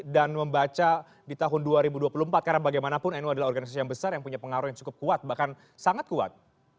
dan membaca di tahun dua ribu dua puluh empat karena bagaimanapun nu adalah organisasi yang besar yang punya pengaruh yang cukup kuat bahkan sangat kuat